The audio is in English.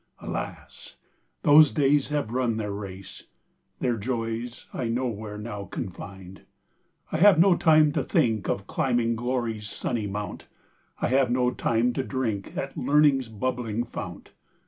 Alas, those days have run their race, Their joys I nowhere now can find. I have no time to think Of climbing Glory's sunny mount I have no time to drink At Learning's bubbling fount!